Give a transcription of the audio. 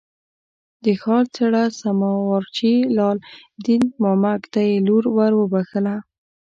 د ښار څړه سما وارچي لال دین مامک ته یې لور ور وبخښله.